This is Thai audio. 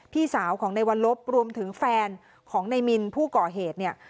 พี่สาวของในวันลบรวมถึงแฟนของนายมินผู้ก่อเหตุเนี่ย